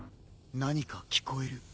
何か聞こえる。